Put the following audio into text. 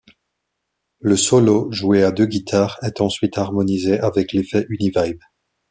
Le solo, joué à deux guitares, est ensuite harmonisé avec l'effet UniVibe.